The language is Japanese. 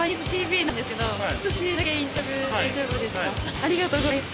ありがとうございます。